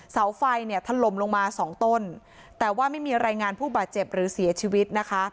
เสาไฟเนี่ยถล่มลงมาสองต้นแต่ว่าไม่มีรายงานผู้บาดเจ็บหรือเสียชีวิตนะคะ